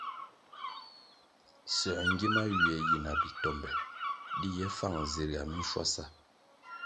Soē ngima ywie yi na bi tombe di ye fang zirga minshwasa.